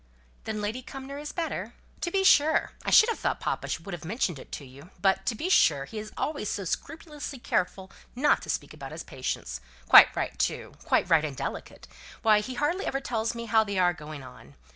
"Then Lady Cumnor is better?" "To be sure. I should have thought papa would have mentioned it to you; but, to be sure, he is always so scrupulously careful not to speak about his patients. Quite right too quite right and delicate. Why, he hardly ever tells me how they are going on.